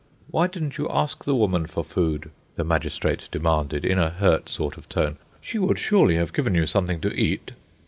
"Why didn't you ask the woman for food?" the magistrate demanded, in a hurt sort of tone. "She would surely have given you something to eat."